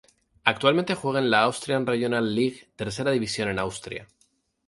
Actualmente juega en la Austrian Regional League, tercera división en Austria.